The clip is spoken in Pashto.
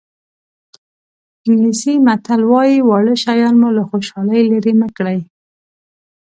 انګلیسي متل وایي واړه شیان مو له خوشحالۍ لرې مه کړي.